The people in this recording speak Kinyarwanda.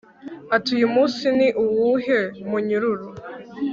Ati Uyu munsi ni uwuhe munyururu